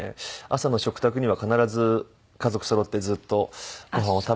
朝の食卓には必ず家族そろってずっとご飯を食べていたので。